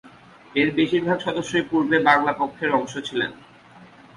এর বেশিরভাগ সদস্যই পূর্বে বাংলা পক্ষের অংশ ছিলেন।